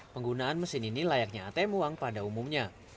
penggunaan mesin ini layaknya atm uang pada umumnya